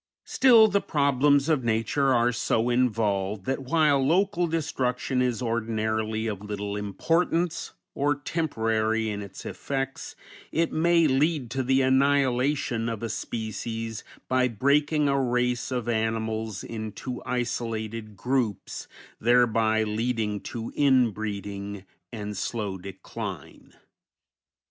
Still, the problems of nature are so involved that while local destruction is ordinarily of little importance, or temporary in its effects, it may lead to the annihilation of a species by breaking a race of animals into isolated groups, thereby leading to inbreeding and slow decline.